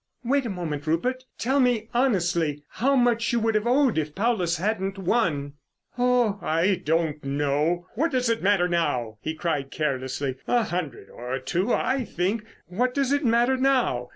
"Wait a moment, Rupert. Tell me honestly, how much you would have owed if Paulus hadn't won?" "Oh, I don't know. What does it matter now?" he cried carelessly. "A hundred or two, I think. What does it matter now?